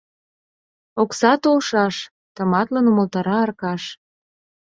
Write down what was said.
— Окса толшаш, — тыматлын умылтара Аркаш.